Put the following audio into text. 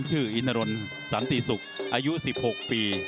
ชื่ออินทรนสันติสุกอายุ๑๖ปี